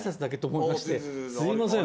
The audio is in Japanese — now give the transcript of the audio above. すいません